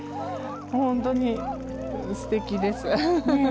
本当に、すてきです。